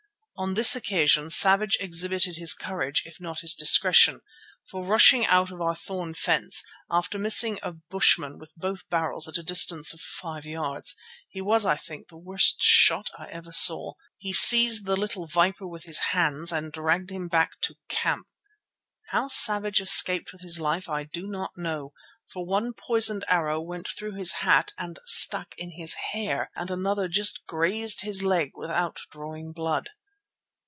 On this occasion Savage exhibited his courage if not his discretion, for rushing out of our thorn fence, after missing a bushman with both barrels at a distance of five yards—he was, I think, the worst shot I ever saw—he seized the little viper with his hands and dragged him back to camp. How Savage escaped with his life I do not know, for one poisoned arrow went through his hat and stuck in his hair and another just grazed his leg without drawing blood.